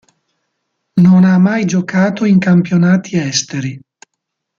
Non ha mai giocato in campionati esteri.